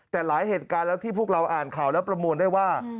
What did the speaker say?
แต่หลายเหตุการณ์แล้วที่พวกเราอ่านข่าวแล้วประมวลได้ว่า